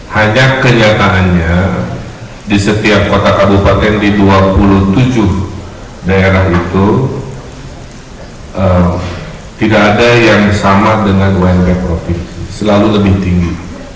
hanya kenyataannya di setiap kota kabupaten di dua puluh tujuh daerah itu tidak ada yang sama dengan ump provinsi selalu lebih tinggi